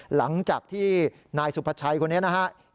หลังจากที่นายสุภาชัยคนนี้นะครับ